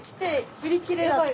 売り切れやった。